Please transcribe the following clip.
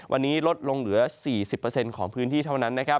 เลือดลงเหลือ๔๐เปอร์เซ็นต์ของพื้นที่เท่านั้น